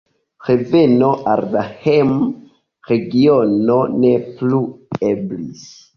Reveno al la hejm-regiono ne plu eblis.